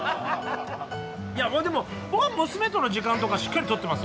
でも僕は娘との時間とかしっかり取ってますよ。